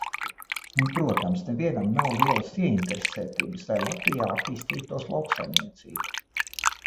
Un, protams, nevienam nav lielas ieinteresētības, lai Latvijā attīstītos lauksaimniecība.